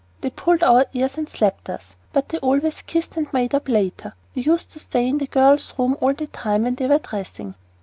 They pulled our ears and slapped us, but they always kissed and made up later. We used to stay in the girls' room all the time when they were dressing.